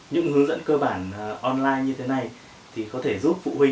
những hướng dẫn cơ bản online như thế này thì có thể giúp phụ huynh